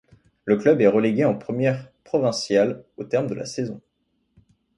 Le club est relégué en première provinciale au terme de la saison.